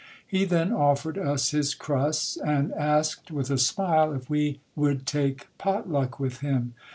He then offered us his crusts, and asked with a smile if we would take potluck with him.